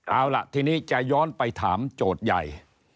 เอาล่ะทีนี้จะย้อนไปถามโจทย์ใหญ่